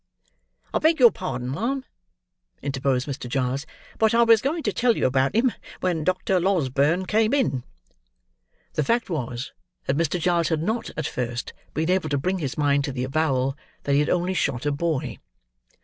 "I beg your pardon, ma'am," interposed Mr. Giles; "but I was going to tell you about him when Doctor Losberne came in." The fact was, that Mr. Giles had not, at first, been able to bring his mind to the avowal, that he had only shot a boy.